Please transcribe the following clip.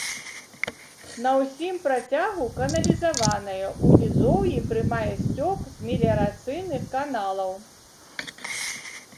На ўсім працягу каналізаваная, у нізоўі прымае сцёк з меліярацыйных каналаў.